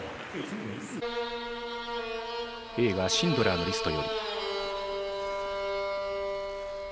映画「シンドラーのリスト」より。